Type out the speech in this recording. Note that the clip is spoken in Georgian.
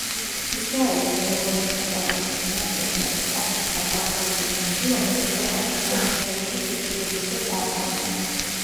ისრაელის ეროვნული საკალათბურთო ნაკრები არის კაცთა საკალათბურთო გუნდი, რომელიც ქვეყანას საერთაშორისო შეჯიბრებებზე წარმოადგენს.